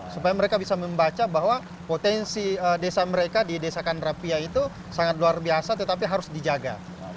supaya mereka bisa membaca bahwa potensi desa mereka di desa kandrapia itu sangat luar biasa tetapi harus dijaga